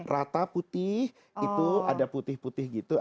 rata putih itu ada putih putih gitu